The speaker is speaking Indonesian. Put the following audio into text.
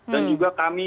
dan juga kami